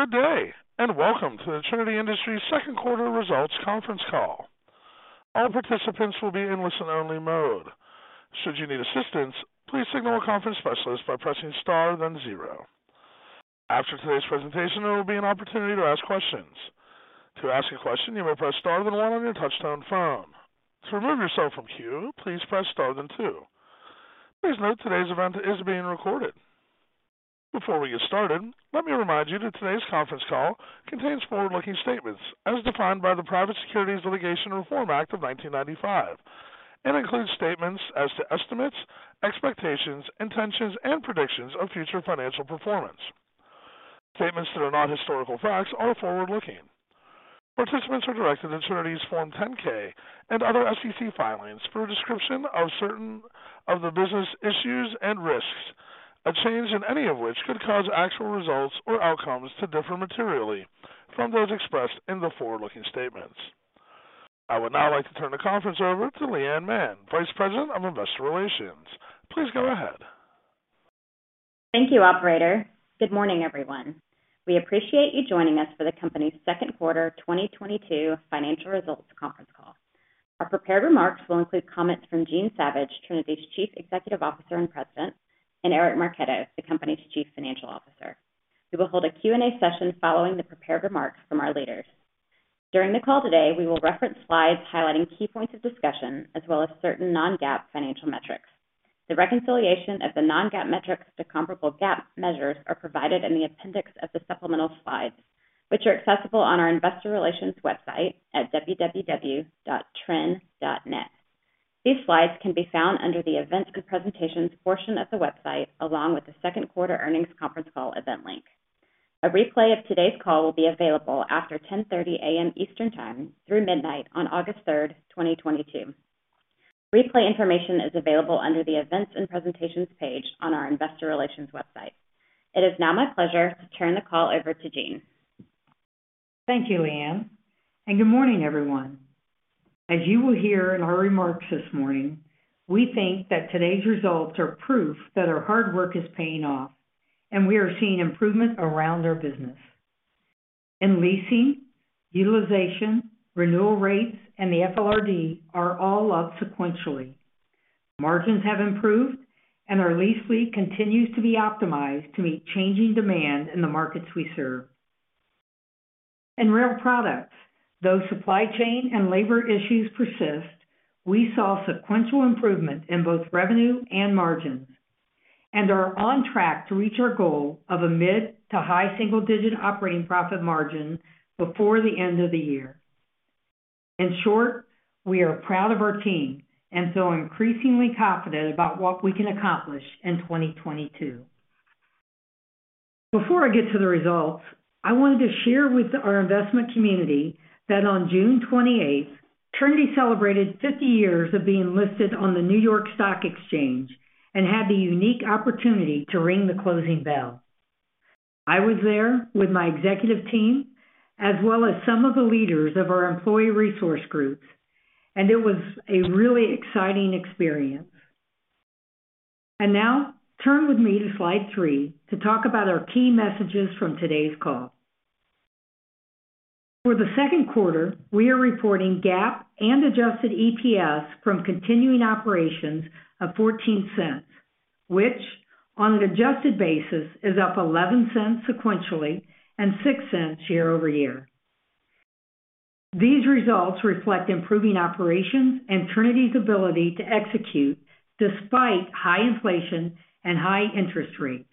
Good day, and welcome to the Trinity Industries second quarter results conference call. All participants will be in listen-only mode. Should you need assistance, please signal a conference specialist by pressing star then zero. After today's presentation, there will be an opportunity to ask questions. To ask a question, you may press star then one on your touchtone phone. To remove yourself from queue, please press star then two. Please note today's event is being recorded. Before we get started, let me remind you that today's conference call contains forward-looking statements as defined by the Private Securities Litigation Reform Act of 1995, and includes statements as to estimates, expectations, intentions, and predictions of future financial performance. Statements that are not historical facts are forward-looking. Participants are directed to Trinity's Form 10-K and other SEC filings for a description of certain of the business issues and risks, a change in any of which could cause actual results or outcomes to differ materially from those expressed in the forward-looking statements. I would now like to turn the conference over to Leigh Anne Mann, Vice President of Investor Relations. Please go ahead. Thank you, operator. Good morning, everyone. We appreciate you joining us for the company's second quarter 2022 financial results conference call. Our prepared remarks will include comments from Jean Savage, Trinity's Chief Executive Officer and President, and Eric Marchetto, the company's Chief Financial Officer. We will hold a Q&A session following the prepared remarks from our leaders. During the call today, we will reference slides highlighting key points of discussion as well as certain non-GAAP financial metrics. The reconciliation of the non-GAAP metrics to comparable GAAP measures are provided in the appendix of the supplemental slides, which are accessible on our investor relations website at www.trin.net. These slides can be found under the Events and Presentations portion of the website, along with the second quarter earnings conference call event link. A replay of today's call will be available after 10:30 A.M. Eastern Time through midnight on August 3rd, 2022. Replay information is available under the Events and Presentations page on our investor relations website. It is now my pleasure to turn the call over to Jean. Thank you, Leigh Anne, and good morning, everyone. As you will hear in our remarks this morning, we think that today's results are proof that our hard work is paying off, and we are seeing improvement around our business. In leasing, utilization, renewal rates, and the FLRD are all up sequentially. Margins have improved, and our lease fleet continues to be optimized to meet changing demand in the markets we serve. In rail products, though supply chain and labor issues persist, we saw sequential improvement in both revenue and margins and are on track to reach our goal of a mid to high single-digit operating profit margin before the end of the year. In short, we are proud of our team and feel increasingly confident about what we can accomplish in 2022. Before I get to the results, I wanted to share with our investment community that on June 28th, Trinity celebrated 50 years of being listed on the New York Stock Exchange and had the unique opportunity to ring the closing bell. I was there with my executive team as well as some of the leaders of our employee resource groups, and it was a really exciting experience. Now, turn with me to slide three to talk about our key messages from today's call. For the second quarter, we are reporting GAAP and adjusted EPS from continuing operations of $0.14, which on an adjusted basis is up $0.11 sequentially and $0.06 year-over-year. These results reflect improving operations and Trinity's ability to execute despite high inflation and high interest rates.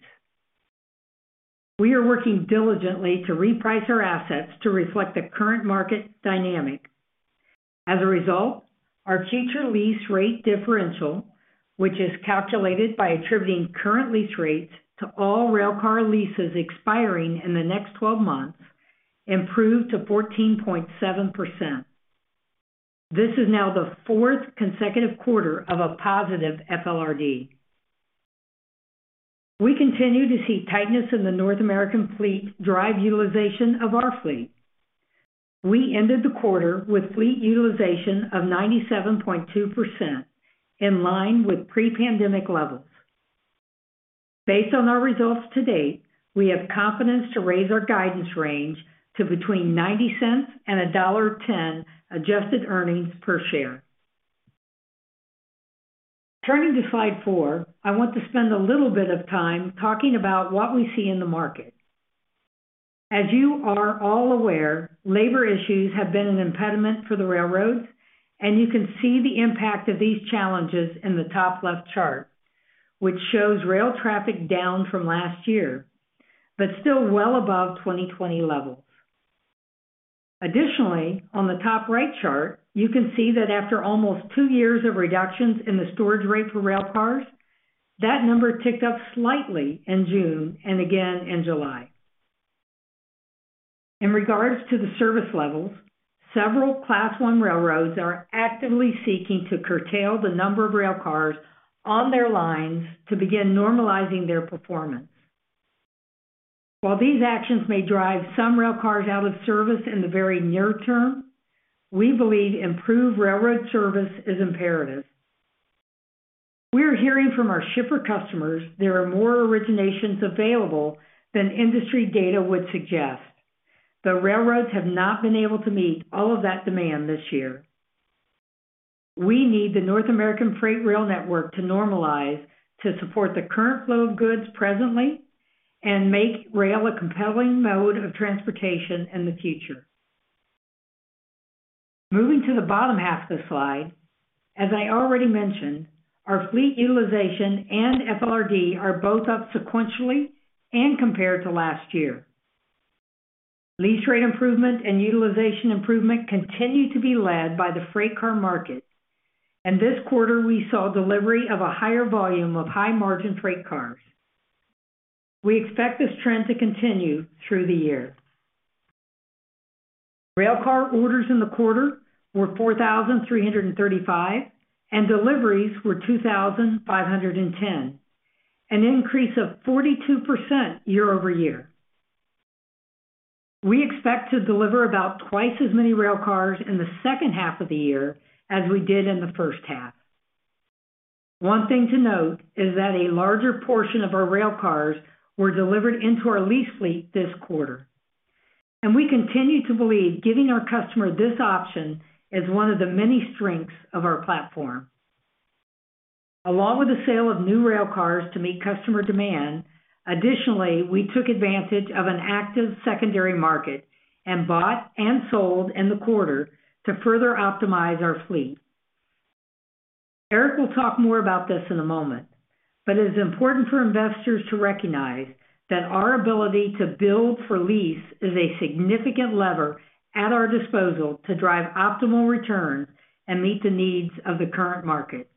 We are working diligently to reprice our assets to reflect the current market dynamic. As a result, our future lease rate differential, which is calculated by attributing current lease rates to all Railcar leases expiring in the next twelve months, improved to 14.7%. This is now the fourth consecutive quarter of a positive FLRD. We continue to see tightness in the North American fleet drive utilization of our fleet. We ended the quarter with fleet utilization of 97.2% in line with pre-pandemic levels. Based on our results to date, we have confidence to raise our guidance range to between $0.90 and $1.10 adjusted earnings per share. Turning to slide four, I want to spend a little bit of time talking about what we see in the market. As you are all aware, labor issues have been an impediment for the railroads, and you can see the impact of these challenges in the top left chart, which shows rail traffic down from last year, but still well above 2020 levels. Additionally, on the top right chart, you can see that after almost two years of reductions in the storage rate for Railcars, that number ticked up slightly in June and again in July. In regards to the service levels, several Class I railroads are actively seeking to curtail the number of Railcars on their lines to begin normalizing their performance. While these actions may drive some Railcars out of service in the very near term, we believe improved railroad service is imperative. We are hearing from our shipper customers, there are more originations available than industry data would suggest. The railroads have not been able to meet all of that demand this year. We need the North American freight rail network to normalize to support the current flow of goods presently and make rail a compelling mode of transportation in the future. Moving to the bottom half of the slide, as I already mentioned, our fleet utilization and FLRD are both up sequentially and compared to last year. Lease rate improvement and utilization improvement continue to be led by the freight car market. This quarter, we saw delivery of a higher volume of high-margin freight cars. We expect this trend to continue through the year. Railcar orders in the quarter were 4,435, and deliveries were 2,510, an increase of 42% year-over-year. We expect to deliver about twice as many Railcars in the second half of the year as we did in the first half. One thing to note is that a larger portion of our Railcars were delivered into our lease fleet this quarter. We continue to believe giving our customer this option is one of the many strengths of our platform. Along with the sale of new Railcars to meet customer demand, additionally, we took advantage of an active secondary market and bought and sold in the quarter to further optimize our fleet. Eric will talk more about this in a moment, but it is important for investors to recognize that our ability to build for lease is a significant lever at our disposal to drive optimal return and meet the needs of the current market.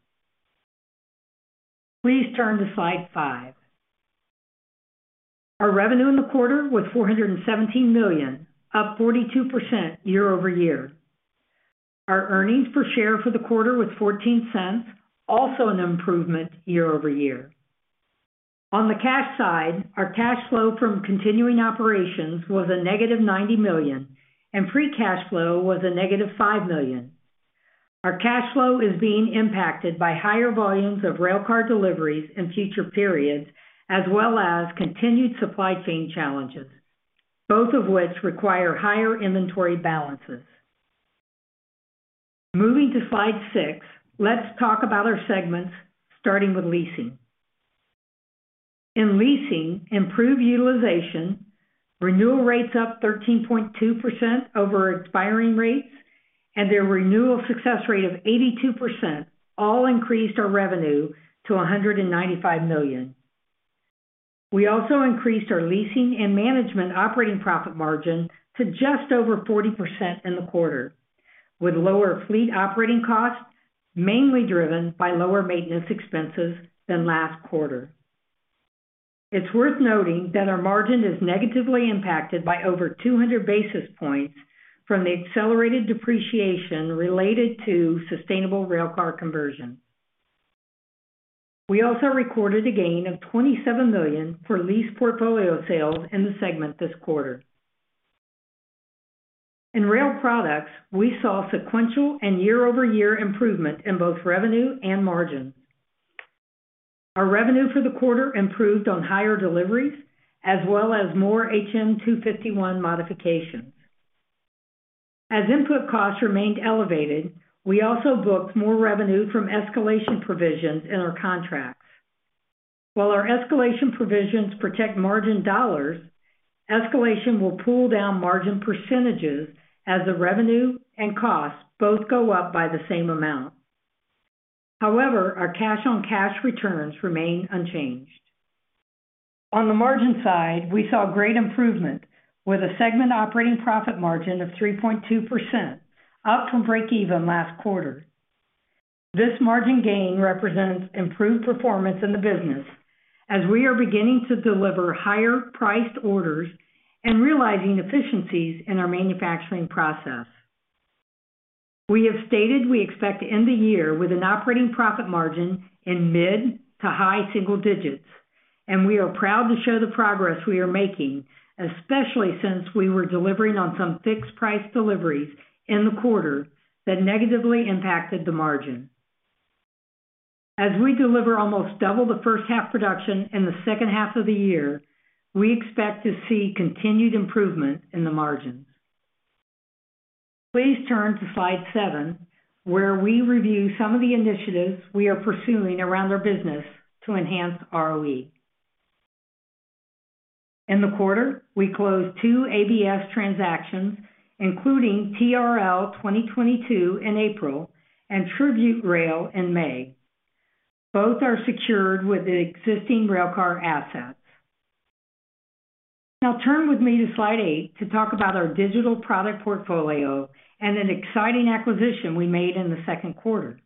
Please turn to slide five. Our revenue in the quarter was $417 million, up 42% year-over-year. Our earnings per share for the quarter was $0.14, also an improvement year-over-year. On the cash side, our cash flow from continuing operations was -$90 million, and free cash flow was -$5 million. Our cash flow is being impacted by higher volumes of Railcar deliveries in future periods, as well as continued supply chain challenges, both of which require higher inventory balances. Moving to slide six, let's talk about our segments starting with Leasing. In Leasing, improved utilization, renewal rates up 13.2% over expiring rates, and their renewal success rate of 82% all increased our revenue to $195 million. We also increased our Leasing and Management operating profit margin to just over 40% in the quarter with lower fleet operating costs, mainly driven by lower maintenance expenses than last quarter. It's worth noting that our margin is negatively impacted by over 200 basis points from the accelerated depreciation related to sustainable Railcar conversion. We also recorded a gain of $27 million for lease portfolio sales in the segment this quarter. In Rail Products, we saw sequential and year-over-year improvement in both revenue and margin. Our revenue for the quarter improved on higher deliveries as well as more HM-251 modifications. As input costs remained elevated, we also booked more revenue from escalation provisions in our contracts. While our escalation provisions protect margin dollars, escalation will pull down margin percentages as the revenue and costs both go up by the same amount. However, our cash on cash returns remain unchanged. On the margin side, we saw great improvement with a segment operating profit margin of 3.2%, up from breakeven last quarter. This margin gain represents improved performance in the business as we are beginning to deliver higher priced orders and realizing efficiencies in our manufacturing process. We have stated we expect to end the year with an operating profit margin in mid to high single digits, and we are proud to show the progress we are making, especially since we were delivering on some fixed price deliveries in the quarter that negatively impacted the margin. As we deliver almost double the first half production in the second half of the year, we expect to see continued improvement in the margins. Please turn to slide seven, where we review some of the initiatives we are pursuing around our business to enhance ROE. In the quarter, we closed two ABS transactions, including TRL-2022 in April and Tribute Rail in May. Both are secured with the existing Railcar assets. Now turn with me to slide eight to talk about our digital product portfolio and an exciting acquisition we made in the second quarter.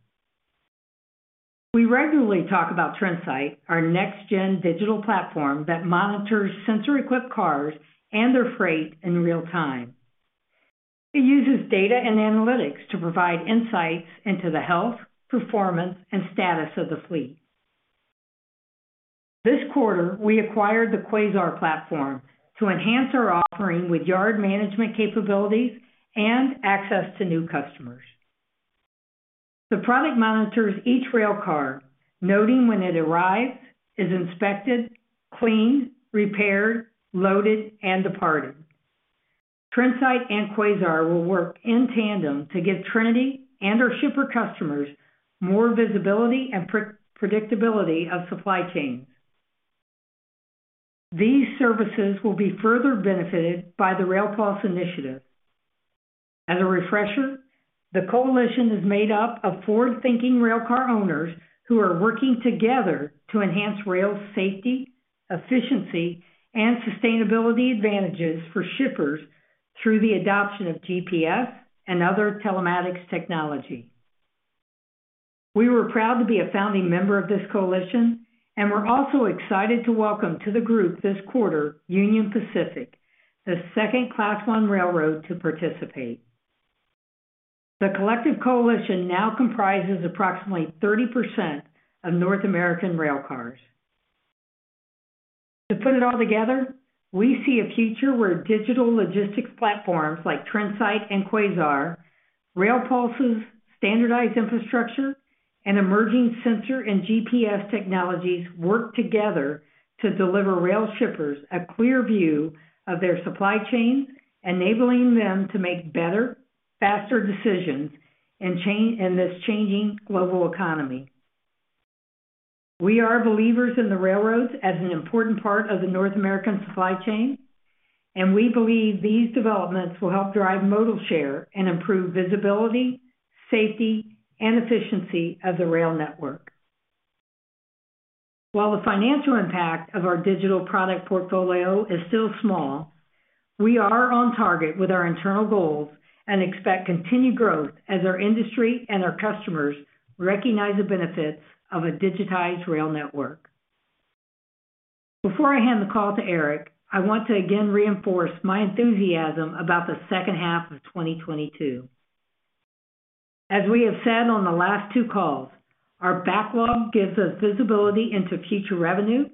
We regularly talk about Trinsight, our next-gen digital platform that monitors sensor-equipped cars and their freight in real time. It uses data and analytics to provide insights into the health, performance, and status of the fleet. This quarter, we acquired the Quasar platform to enhance our offering with yard management capabilities and access to new customers. The product monitors each Railcar, noting when it arrives, is inspected, cleaned, repaired, loaded, and departed. Trinsight and Quasar will work in tandem to give Trinity and our Shipper customers more visibility and predictability of supply chains. These services will be further benefited by the RailPulse initiative. As a refresher, the coalition is made up of forward-thinking Railcar owners who are working together to enhance rail safety, efficiency, and sustainability advantages for shippers through the adoption of GPS and other telematics technology. We were proud to be a founding member of this coalition, and we're also excited to welcome to the group this quarter Union Pacific, the second Class I railroad to participate. The collective coalition now comprises approximately 30% of North American Railcars. To put it all together, we see a future where digital logistics platforms like Trinsight and Quasar, RailPulse's standardized infrastructure, and emerging sensor and GPS technologies work together to deliver rail shippers a clear view of their supply chain, enabling them to make better, faster decisions in this changing global economy. We are believers in the railroads as an important part of the North American supply chain, and we believe these developments will help drive modal share and improve visibility, safety, and efficiency of the rail network. While the financial impact of our digital product portfolio is still small, we are on target with our internal goals and expect continued growth as our industry and our customers recognize the benefits of a digitized rail network. Before I hand the call to Eric, I want to again reinforce my enthusiasm about the second half of 2022. As we have said on the last two calls, our backlog gives us visibility into future revenue,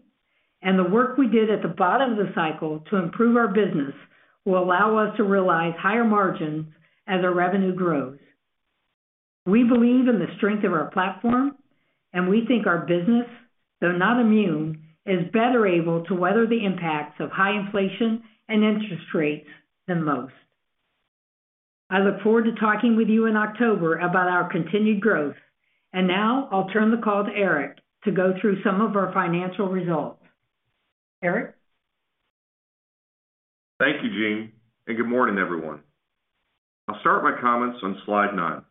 and the work we did at the bottom of the cycle to improve our business will allow us to realize higher margins as our revenue grows. We believe in the strength of our platform, and we think our business, though not immune, is better able to weather the impacts of high inflation and interest rates than most. I look forward to talking with you in October about our continued growth. Now I'll turn the call to Eric to go through some of our financial results. Eric? Thank you, Jean, and good morning, everyone. I'll start my comments on slide nine.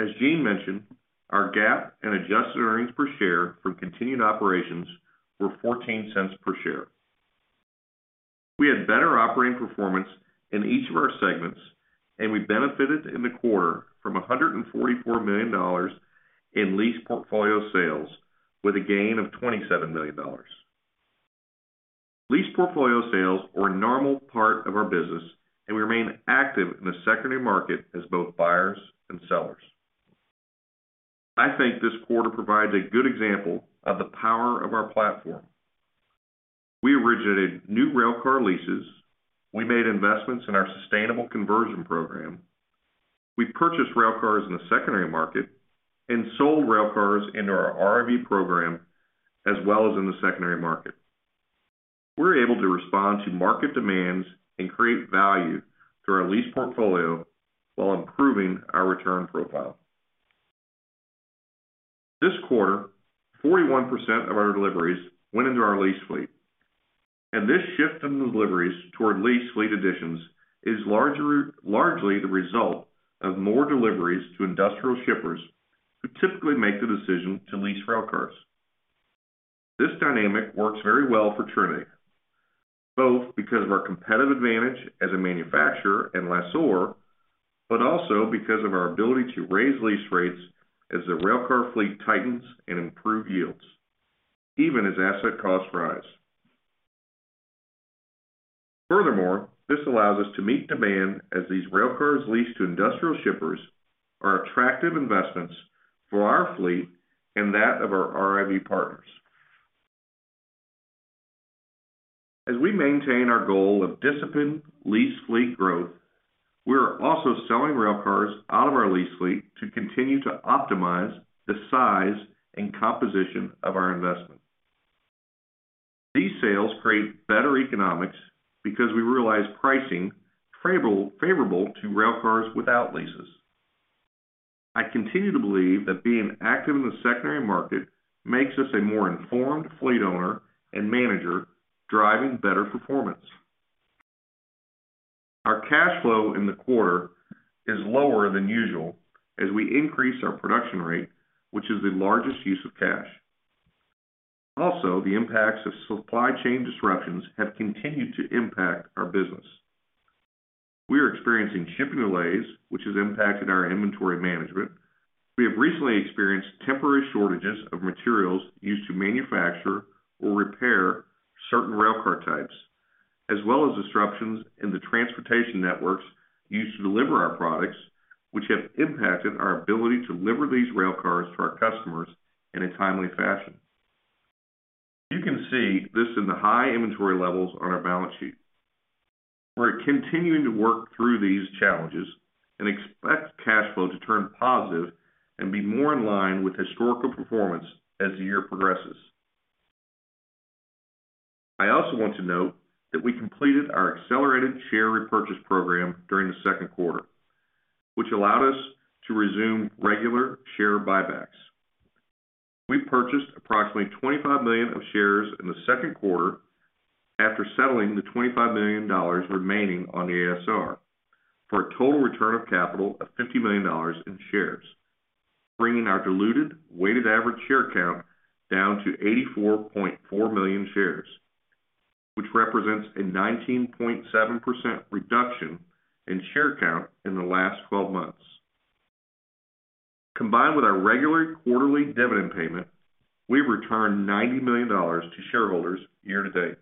As Jean mentioned, our GAAP and adjusted earnings per share from continuing operations were $0.14 per share. We had better operating performance in each of our segments, and we benefited in the quarter from $144 million in lease portfolio sales with a gain of $27 million. Lease portfolio sales are a normal part of our business, and we remain active in the secondary market as both buyers and sellers. I think this quarter provides a good example of the power of our platform. We originated new Railcar leases, we made investments in our sustainable conversion program, we purchased Railcars in the secondary market, and sold Railcars into our RIV program as well as in the secondary market. We're able to respond to market demands and create value through our lease portfolio while improving our return profile. This quarter, 41% of our deliveries went into our lease fleet, and this shift in deliveries toward lease fleet additions is largely the result of more deliveries to industrial shippers who typically make the decision to lease Railcars. This dynamic works very well for Trinity, both because of our competitive advantage as a manufacturer and lessor, but also because of our ability to raise lease rates as the Railcar fleet tightens and improve yields, even as asset costs rise. Furthermore, this allows us to meet demand as these Railcars leased to industrial shippers are attractive investments for our fleet and that of our RIV partners. As we maintain our goal of disciplined lease fleet growth, we are also selling Railcars out of our lease fleet to continue to optimize the size and composition of our investment. These sales create better economics because we realize pricing favorable to Railcars without leases. I continue to believe that being active in the secondary market makes us a more informed fleet owner and manager, driving better performance. Our cash flow in the quarter is lower than usual as we increase our production rate, which is the largest use of cash. Also, the impacts of supply chain disruptions have continued to impact our business. We are experiencing shipping delays, which has impacted our inventory management. We have recently experienced temporary shortages of materials used to manufacture or repair certain Railcar types. As well as disruptions in the transportation networks used to deliver our products, which have impacted our ability to deliver these Railcars to our customers in a timely fashion. You can see this in the high inventory levels on our balance sheet. We're continuing to work through these challenges and expect cash flow to turn positive and be more in line with historical performance as the year progresses. I also want to note that we completed our accelerated share repurchase program during the second quarter, which allowed us to resume regular share buybacks. We purchased approximately 25 million shares in the second quarter after settling the $25 million remaining on the ASR for a total return of capital of $50 million in shares, bringing our diluted weighted average share count down to 84.4 million shares, which represents a 19.7% reduction in share count in the last twelve months. Combined with our regular quarterly dividend payment, we've returned $90 million to shareholders year to date.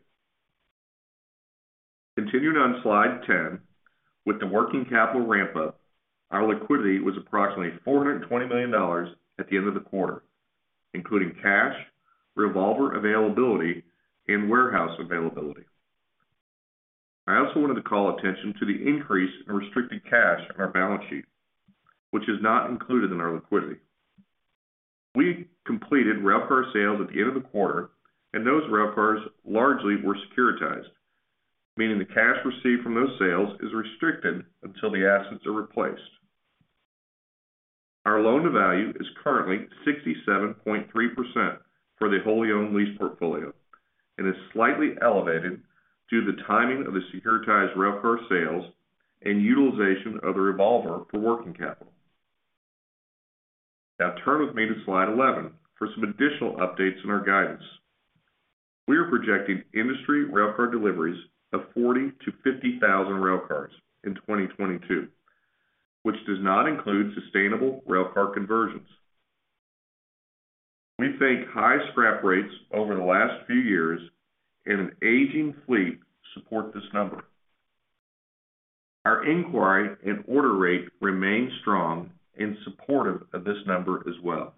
Continuing on slide ten, with the working capital ramp up, our liquidity was approximately $420 million at the end of the quarter, including cash, revolver availability, and warehouse availability. I also wanted to call attention to the increase in restricted cash on our balance sheet, which is not included in our liquidity. We completed Railcar sales at the end of the quarter, and those Railcars largely were securitized, meaning the cash received from those sales is restricted until the assets are replaced. Our loan to value is currently 67.3% for the wholly owned lease portfolio and is slightly elevated due to the timing of the securitized Railcar sales and utilization of the revolver for working capital. Now turn with me to slide 11 for some additional updates in our guidance. We are projecting industry Railcar deliveries of 40,000-50,000 Railcars in 2022, which does not include sustainable Railcar conversions. We think high scrap rates over the last few years and an aging fleet support this number. Our inquiry and order rate remain strong and supportive of this number as well.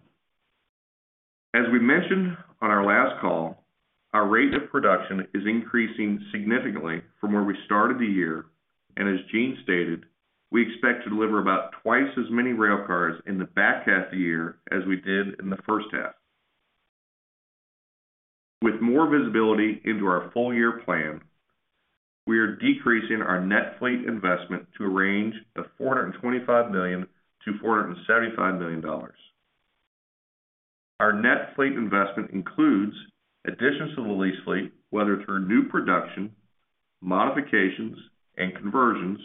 As we mentioned on our last call, our rate of production is increasing significantly from where we started the year, and as Jean stated, we expect to deliver about twice as many Railcars in the back half of the year as we did in the first half. With more visibility into our full year plan, we are decreasing our net fleet investment to a range of $425 million-$475 million. Our net fleet investment includes additions to the lease fleet, whether through new production, modifications, and conversions,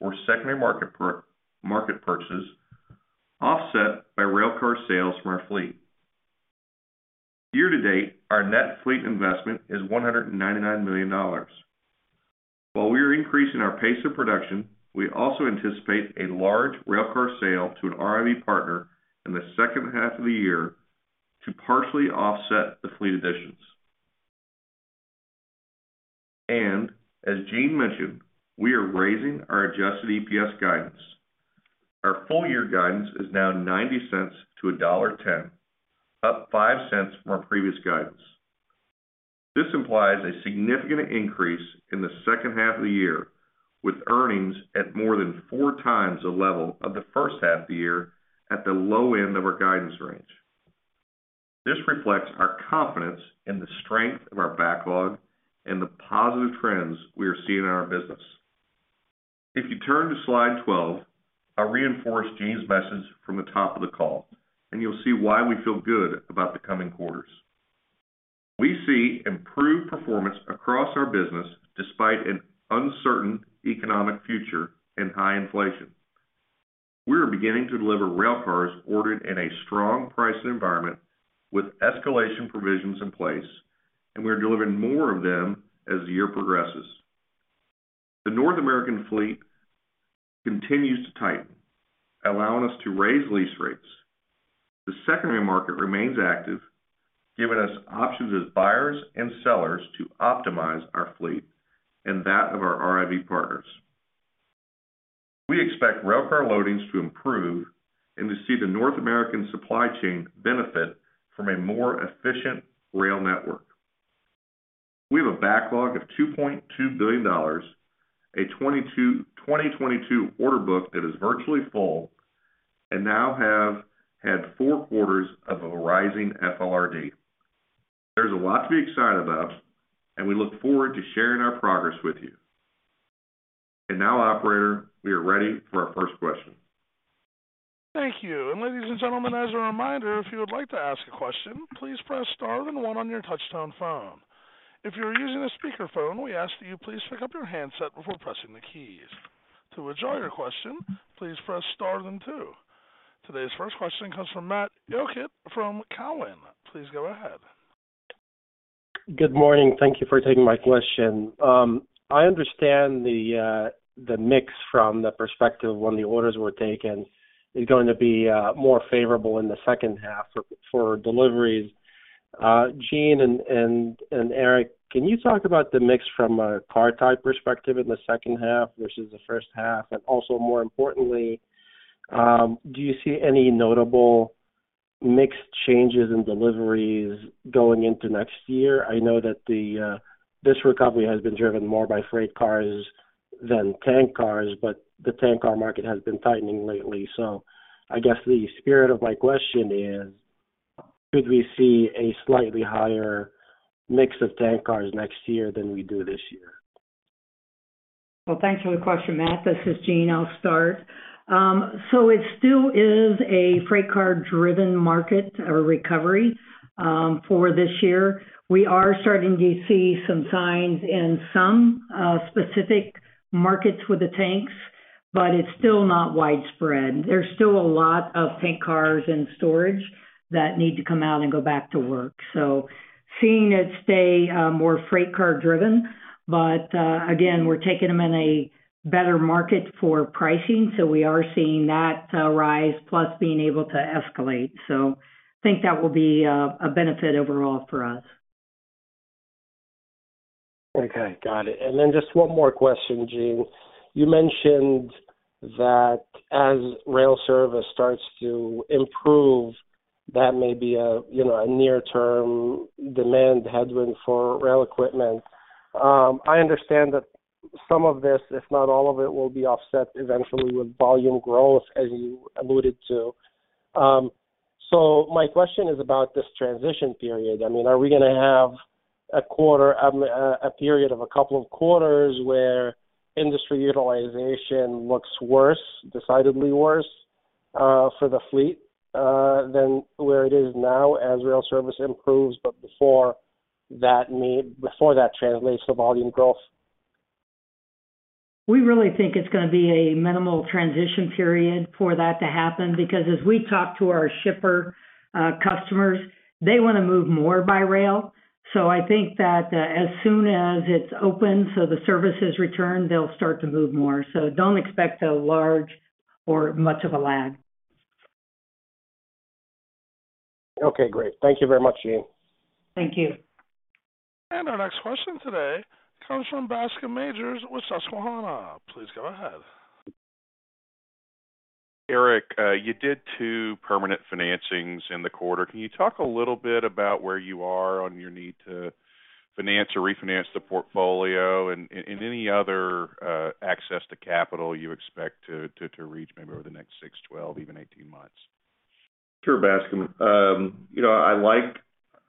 or secondary market purchases, offset by Railcar sales from our fleet. Year to date, our net fleet investment is $199 million. While we are increasing our pace of production, we also anticipate a large Railcar sale to an RIV partner in the second half of the year to partially offset the fleet additions. As Jean mentioned, we are raising our adjusted EPS guidance. Our full year guidance is now $0.90-$1.10, up $0.05 from our previous guidance. This implies a significant increase in the second half of the year, with earnings at more than four times the level of the first half of the year at the low end of our guidance range. This reflects our confidence in the strength of our backlog and the positive trends we are seeing in our business. If you turn to slide 12, I'll reinforce Jean's message from the top of the call, and you'll see why we feel good about the coming quarters. We see improved performance across our business despite an uncertain economic future and high inflation. We are beginning to deliver Railcars ordered in a strong pricing environment with escalation provisions in place, and we are delivering more of them as the year progresses. The North American fleet continues to tighten, allowing us to raise lease rates. The secondary market remains active, giving us options as buyers and sellers to optimize our fleet and that of our RIV partners. We expect Railcar loadings to improve and to see the North American supply chain benefit from a more efficient rail network. We have a backlog of $2.2 billion, a 2022 order book that is virtually full and now have had four quarters of a rising FLRD. There's a lot to be excited about, and we look forward to sharing our progress with you. Now, operator, we are ready for our first question. Thank you. Ladies and gentlemen, as a reminder, if you would like to ask a question, please press star then one on your touchtone phone. If you are using a speakerphone, we ask that you please pick up your handset before pressing the keys. To withdraw your question, please press star then two. Today's first question comes from Matt Elkott from Cowen. Please go ahead. Good morning. Thank you for taking my question. I understand the mix from the perspective when the orders were taken is going to be more favorable in the second half for deliveries. Jean and Eric, can you talk about the mix from a car type perspective in the second half versus the first half? Also more importantly, do you see any notable mix changes in deliveries going into next year? I know that this recovery has been driven more by freight cars than tank cars, but the tank car market has been tightening lately. I guess the spirit of my question is, could we see a slightly higher mix of tank cars next year than we do this year? Well, thanks for the question, Matt. This is Jean. I'll start. It still is a freight car-driven market or recovery for this year. We are starting to see some signs in some specific markets with the tanks, but it's still not widespread. There's still a lot of tank cars in storage that need to come out and go back to work. Seeing it stay more freight car driven, but again, we're taking them in a better market for pricing, so we are seeing that rise plus being able to escalate. Think that will be a benefit overall for us. Just one more question, Jean. You mentioned that as rail service starts to improve, that may be a near-term demand headwind for rail equipment. I understand that some of this, if not all of it, will be offset eventually with volume growth as you alluded to. My question is about this transition period. I mean, are we gonna have a period of a couple of quarters where industry utilization looks worse, decidedly worse, for the fleet than where it is now as rail service improves, but before that translates to volume growth? We really think it's gonna be a minimal transition period for that to happen, because as we talk to our shipper, customers, they wanna move more by rail. I think that, as soon as it's open, so the service has returned, they'll start to move more. Don't expect a large or much of a lag. Okay, great. Thank you very much, Jean. Thank you. Our next question today comes from Bascome Majors with Susquehanna. Please go ahead. Eric, you did two permanent financings in the quarter. Can you talk a little bit about where you are on your need to finance or refinance the portfolio and any other access to capital you expect to reach maybe over the next six, 12, even 18 months? Sure, Bascome. You know, I like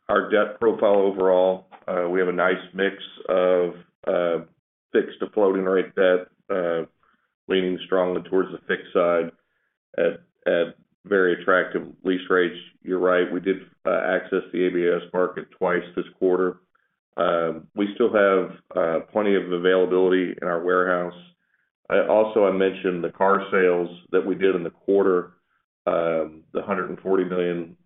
our debt profile overall. We have a nice mix of fixed to floating rate debt, leaning strongly towards the fixed side at very attractive lease rates. You're right, we did access the ABS market twice this quarter. We still have plenty of availability in our warehouse. Also, I mentioned the car sales that we did in the quarter, the $140 million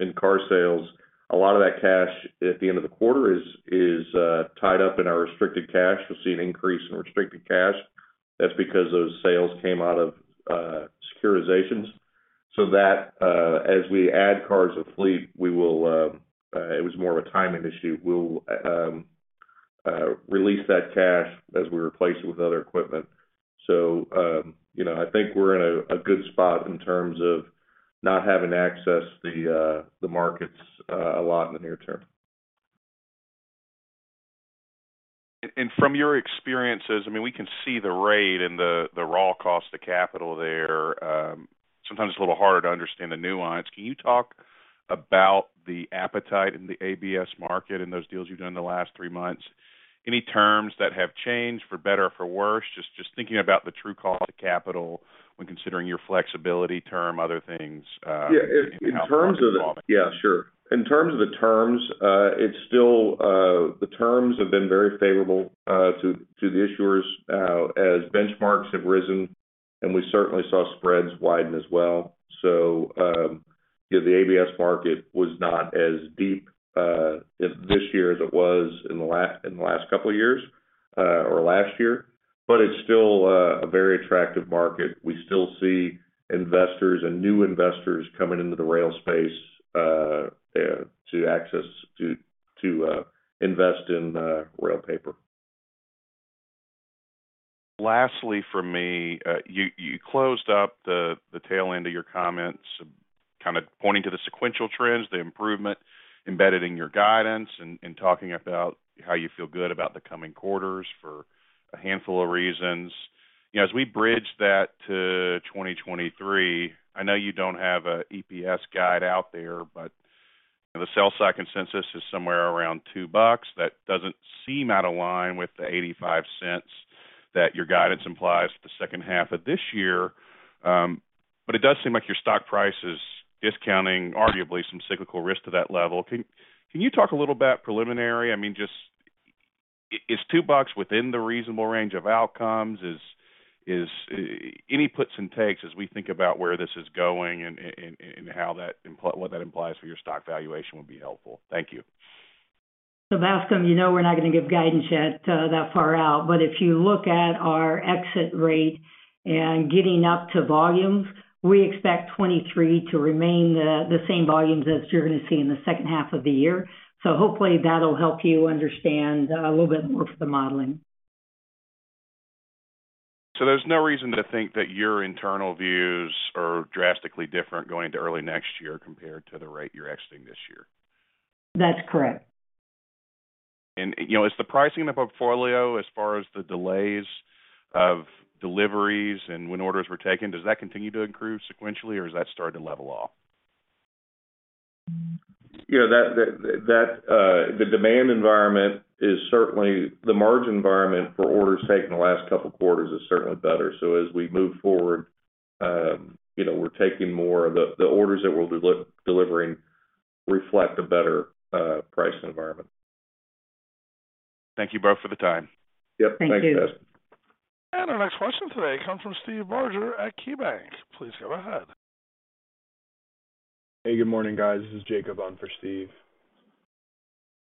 in car sales. A lot of that cash at the end of the quarter is tied up in our restricted cash. We'll see an increase in restricted cash. That's because those sales came out of securitizations. It was more of a timing issue. We'll release that cash as we replace it with other equipment. You know, I think we're in a good spot in terms of not having to access the markets a lot in the near term. From your experiences, I mean, we can see the rate and the raw cost of capital there. Sometimes it's a little harder to understand the nuance. Can you talk about the appetite in the ABS market and those deals you've done in the last three months? Any terms that have changed for better or for worse? Just thinking about the true cost of capital when considering your flexibility term, other things- Yeah. In terms of- ...how the market's evolving. Yeah, sure. In terms of the terms, the terms have been very favorable to the issuers as benchmarks have risen, and we certainly saw spreads widen as well. You know, the ABS market was not as deep this year as it was in the last couple of years or last year. It's still a very attractive market. We still see investors and new investors coming into the rail space to access, to invest in rail paper. Lastly for me, you closed up the tail end of your comments kind of pointing to the sequential trends, the improvement embedded in your guidance, and talking about how you feel good about the coming quarters for a handful of reasons. You know, as we bridge that to 2023, I know you don't have an EPS guide out there, but you know, the sell-side consensus is somewhere around $2. That doesn't seem out of line with the $0.85 that your guidance implies for the second half of this year. It does seem like your stock price is discounting arguably some cyclical risk to that level. Can you talk a little about preliminary? I mean, just is $2 within the reasonable range of outcomes? Is any puts and takes as we think about where this is going and how that implies for your stock valuation would be helpful? Thank you. Bascome, you know we're not gonna give guidance yet, that far out. If you look at our exit rate and getting up to volumes, we expect 2023 to remain the same volumes as you're gonna see in the second half of the year. Hopefully that'll help you understand a little bit more for the modeling. There's no reason to think that your internal views are drastically different going to early next year compared to the rate you're exiting this year? That's correct. You know, is the pricing in the portfolio as far as the delays of deliveries and when orders were taken, does that continue to improve sequentially or has that started to level off? You know, the demand environment is certainly. The margin environment for orders taken the last couple of quarters is certainly better. As we move forward, you know, we're taking more. The orders that we'll be delivering reflect a better pricing environment. Thank you both for the time. Yep. Thanks, guys. Thank you. Our next question today comes from Steve Barger at KeyBanc. Please go ahead. Hey, good morning, guys. This is Jacob on for Steve.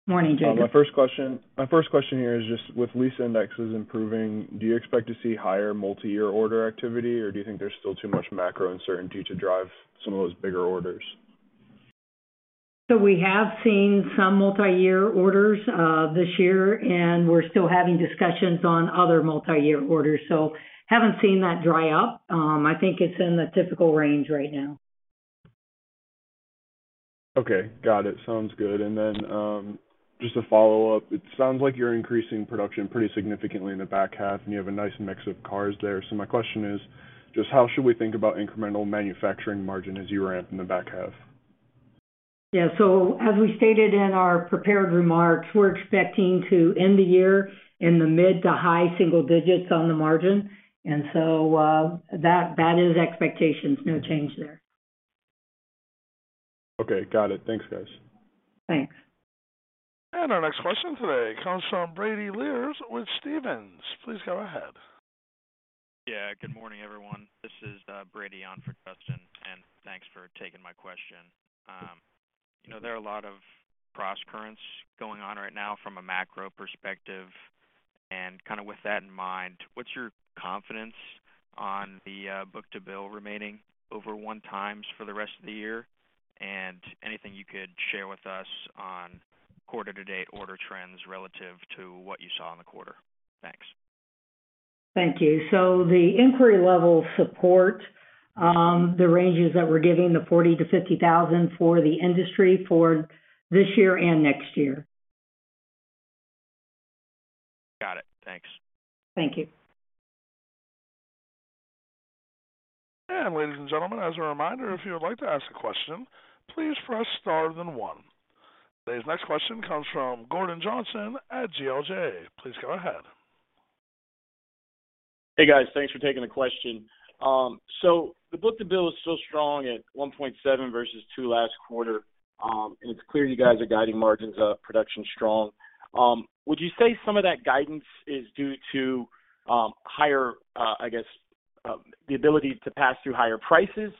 Morning, Jacob. My first question here is just with lease indexes improving, do you expect to see higher multi-year order activity, or do you think there's still too much macro uncertainty to drive some of those bigger orders? We have seen some multi-year orders, this year, and we're still having discussions on other multi-year orders, so haven't seen that dry up. I think it's in the typical range right now. Okay. Got it. Sounds good. Just a follow-up. It sounds like you're increasing production pretty significantly in the back half, and you have a nice mix of cars there. My question is, just how should we think about incremental manufacturing margin as you ramp in the back half? Yeah. As we stated in our prepared remarks, we're expecting to end the year in the mid- to high-single digits on the margin. That is expectations. No change there. Okay. Got it. Thanks, guys. Thanks. Our next question today comes from Brady Lierz with Stephens. Please go ahead. Yeah. Good morning, everyone. This is Brady on for Justin, and thanks for taking my question. You know, there are a lot of crosscurrents going on right now from a macro perspective. Kind of with that in mind, what's your confidence on the book-to-bill remaining over 1x for the rest of the year? Anything you could share with us on quarter to date order trends relative to what you saw in the quarter? Thanks. Thank you. The inquiry levels support the ranges that we're giving, 40,000-50,000 Railcars for the industry for this year and next year. Got it. Thanks. Thank you. Ladies and gentlemen, as a reminder, if you would like to ask a question, please press star then one. Today's next question comes from Gordon Johnson at GLJ. Please go ahead. Hey, guys. Thanks for taking the question. The book-to-bill is still strong at 1.7x versus 2x last quarter. It's clear you guys are guiding margins, production strong. Would you say some of that guidance is due to higher, I guess, the ability to pass through higher prices,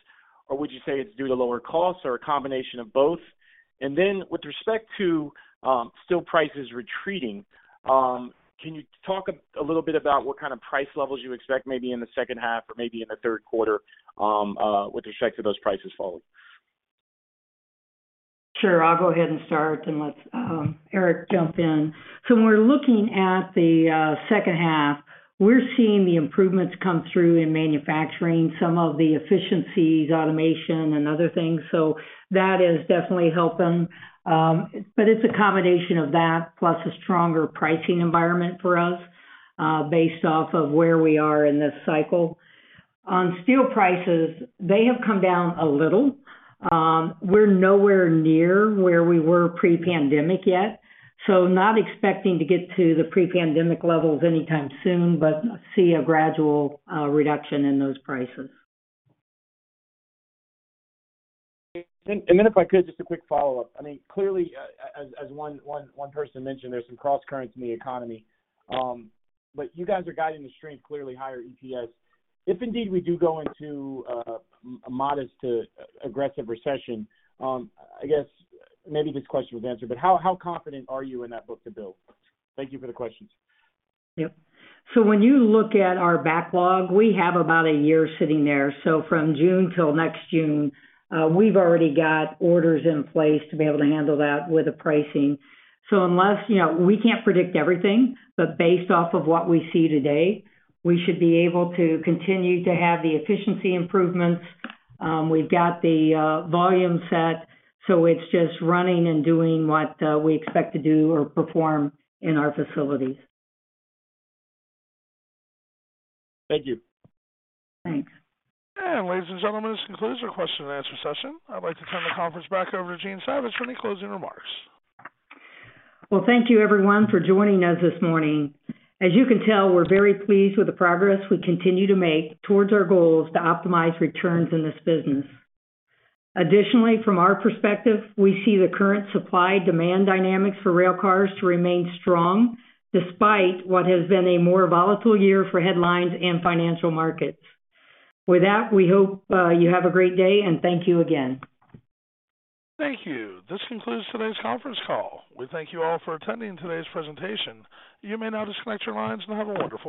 or would you say it's due to lower costs or a combination of both? With respect to steel prices retreating, can you talk a little bit about what kind of price levels you expect maybe in the second half or maybe in the third quarter, with respect to those prices falling? Sure. I'll go ahead and start and let Eric jump in. We're looking at the second half. We're seeing the improvements come through in manufacturing, some of the efficiencies, automation and other things. That is definitely helping. But it's a combination of that plus a stronger pricing environment for us, based off of where we are in this cycle. On steel prices, they have come down a little. We're nowhere near where we were pre-pandemic yet, so not expecting to get to the pre-pandemic levels anytime soon, but see a gradual reduction in those prices. Then if I could, just a quick follow-up. I mean, clearly, as one person mentioned, there's some crosscurrents in the economy. But you guys are guiding to strength, clearly higher EPS. If indeed we do go into a modest to aggressive recession, I guess maybe this question was answered, but how confident are you in that book-to-bill? Thank you for the questions. Yep. When you look at our backlog, we have about a year sitting there. From June till next June, we've already got orders in place to be able to handle that with the pricing. Unless, you know, we can't predict everything, but based off of what we see today, we should be able to continue to have the efficiency improvements. We've got the volume set, so it's just running and doing what we expect to do or perform in our facilities. Thank you. Thanks. Ladies and gentlemen, this concludes our question and answer session. I'd like to turn the conference back over to Jean Savage for any closing remarks. Well, thank you everyone for joining us this morning. As you can tell, we're very pleased with the progress we continue to make towards our goals to optimize returns in this business. Additionally, from our perspective, we see the current supply demand dynamics for Railcars to remain strong despite what has been a more volatile year for headlines and financial markets. With that, we hope you have a great day, and thank you again. Thank you. This concludes today's conference call. We thank you all for attending today's presentation. You may now disconnect your lines and have a wonderful day.